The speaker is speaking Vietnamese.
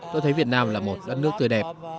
tôi thấy việt nam là một đất nước tươi đẹp